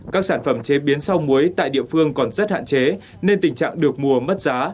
các sản phẩm chế biến sau muối tại địa phương còn rất hạn chế nên tình trạng được mua mất giá